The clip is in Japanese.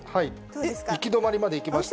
行き止まりまで行きました。